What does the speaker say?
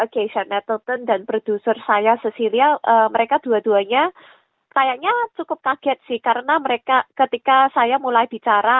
karena mereka ketika saya mulai bicara